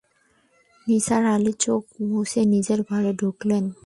নিসার আলি চোখ মুছে নিজের ঘরে ঢুকলেন।